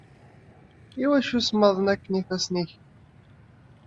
Iwacu smaḍen akken yifassen-ik?